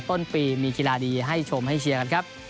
ต้นปีมีฯภีร์ดีให้ชมให้เชียวนะครับ